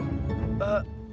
aku mau pergi pak